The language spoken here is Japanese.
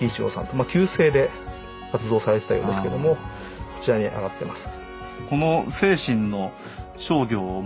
まあ旧姓で活動されてたようですけどもこちらにあがってます。